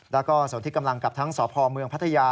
แล้วก็ส่วนที่กำลังกับทั้งสพเมืองพัทยา